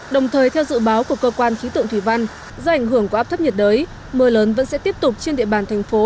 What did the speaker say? đồng thời theo dự báo của cơ quan khí tượng thủy văn do ảnh hưởng của áp thấp nhiệt đới mưa lớn vẫn sẽ tiếp tục trên địa bàn thành phố